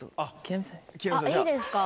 いいですか？